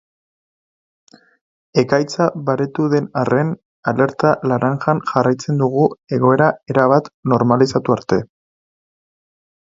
Ekaitza baretu den arren, alerta laranjan jarraitzen dugu egoera erabat normalizatu arte.